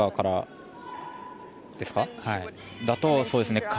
そうですね。